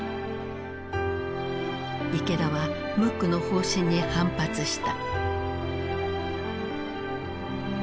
池田はムックの方針に反発した。